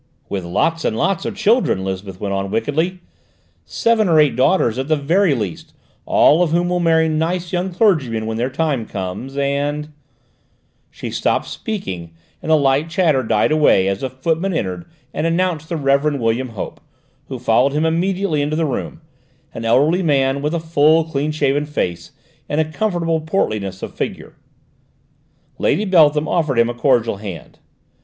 "With lots and lots of children," Lisbeth went on wickedly: "seven or eight daughters at the very least, all of whom will marry nice young clergymen when their time comes and " She stopped speaking and the light chatter died away as a footman entered and announced the Reverend William Hope, who followed him immediately into the room, an elderly man with a full, clean shaven face and a comfortable portliness of figure. Lady Beltham offered him a cordial hand.